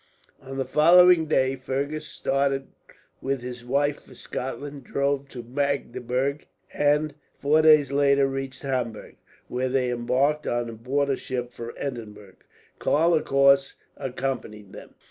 On the following day Fergus started with his wife for Scotland, drove to Magdeburg and, four days later, reached Hamburg; where they embarked on board a ship for Edinburgh, Karl of course accompanying them.